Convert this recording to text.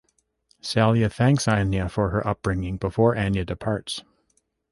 Salia thanks Anya for her upbringing before Anya departs.